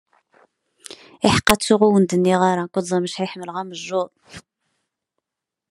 Nekkni ur nri ara anẓar.